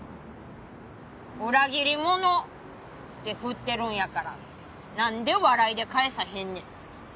裏切り者って振ってるんやからなんで笑いで返さへんねん。